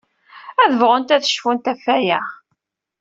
Ad bɣunt ad cfunt ɣef waya.